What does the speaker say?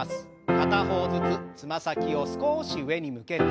片方ずつつま先を少し上に向けて。